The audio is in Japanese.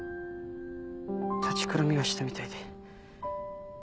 立ちくらみがしたみたいで。